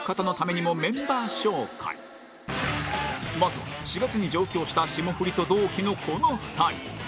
まずは４月に上京した霜降りと同期のこの２人